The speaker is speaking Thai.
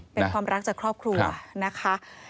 เป็นความรักจากครอบครัวนะคะ